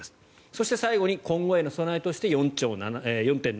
そして最後に今後への備えとして４．７兆円